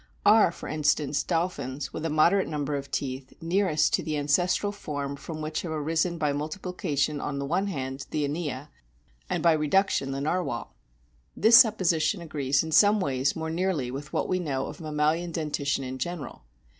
Are, for instance, dolphins with a moderate number of teeth nearest to the ancestral form from which have arisen by multiplication on the one hand the Inia, and by reduction the Narwhal ? This supposition agrees in some ways more nearly with what we know of mammalian dentition in general.